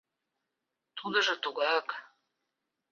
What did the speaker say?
Тудыжо тугак.